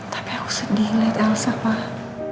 tapi aku sedih liat elsa pak